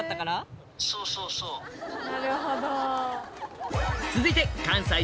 なるほど。